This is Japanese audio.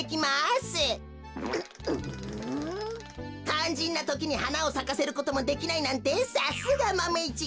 かんじんなときにはなをさかせることもできないなんてさすがマメ１くん。